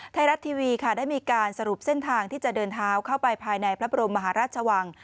ไทยรัฐทีวีค่ะได้มีการสรุปเส้นทางที่จะเดินเท้าเข้าไปภายในพระบรมมหาราชวัง